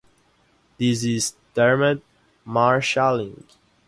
This is termed marshalling.